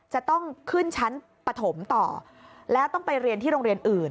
จะต้องขึ้นชั้นปฐมต่อแล้วต้องไปเรียนที่โรงเรียนอื่น